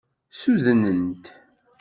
Ssudnent.